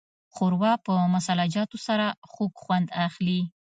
ښوروا له مسالهجاتو سره خوږ خوند اخلي.